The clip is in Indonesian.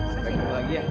sampai jumpa lagi ya